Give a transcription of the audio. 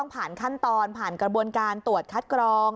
ผ่านขั้นตอนผ่านกระบวนการตรวจคัดกรอง